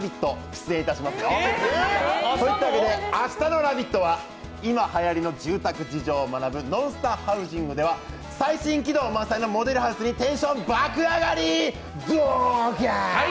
出演いたしますよ。というわけで明日の「ラヴィット！」は今はやりの住宅事情を学ぶ「ノンスタハウジング」では最新機能満載のモデルハウスにテンション爆上がり！